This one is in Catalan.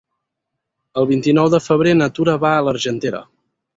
El vint-i-nou de febrer na Tura va a l'Argentera.